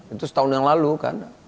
itu setahun yang lalu kan